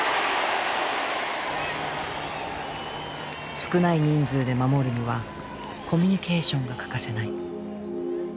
少ない人数で守るにはコミュニケーションが欠かせない。